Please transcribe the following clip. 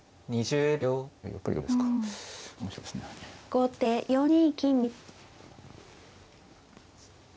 後手４二金右。